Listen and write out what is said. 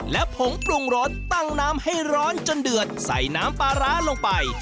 และผงปรุงรสตั้งน้ำให้ร้อนจนเดือดใส่น้ำปลาร้าลงไป